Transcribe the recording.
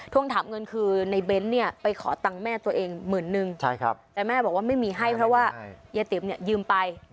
วงถามเงินคือในเบ้นเนี่ยไปขอตังค์แม่ตัวเองหมื่นนึงแต่แม่บอกว่าไม่มีให้เพราะว่ายายติ๋มเนี่ยยืมไป